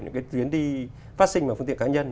những cái tuyến đi phát sinh bằng phương tiện cá nhân